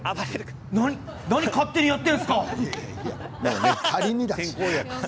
何勝手にやっているんですか？